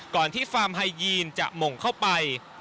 ก่อนที่ฟาร์มไฮยีนจะมงเข้าไป